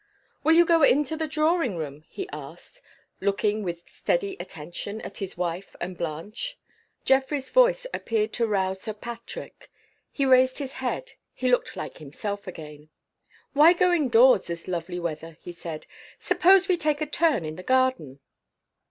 "Will you go into the drawing room?" he asked, looking with steady attention at his wife and Blanche. Geoffrey's voice appeared to rouse Sir Patrick. He raised his head he looked like himself again. "Why go indoors this lovely weather?" he said. "Suppose we take a turn in the garden?"